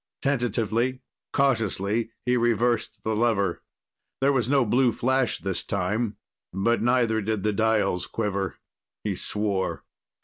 Tentatively, cautiously, he reversed the lever. There was no blue flash this time, but neither did the dials quiver. He swore.